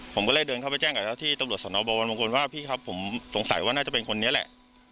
ผมก็เลยเดินเข้าไปแจ้งกับเจ้าที่ตำรวจสนบวรมงคลว่าพี่ครับผมสงสัยว่าน่าจะเป็นคนนี้แหละ